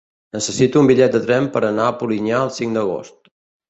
Necessito un bitllet de tren per anar a Polinyà el cinc d'agost.